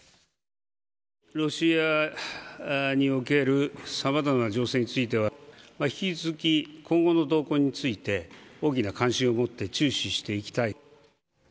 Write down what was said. ロシアにおけるさまざまな情勢については、引き続き、今後の動向について、大きな関心を持って注視していきたい。